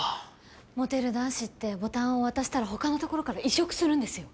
モテる男子ってボタンを渡したら他の所から移植するんですよ。